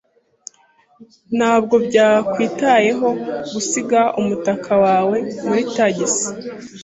Ntabwo byakwitayeho gusiga umutaka wawe muri tagisi.